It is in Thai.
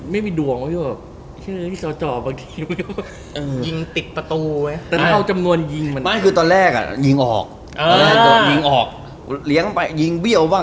แต่ผมมันไม่มีด่วงไว้อยู่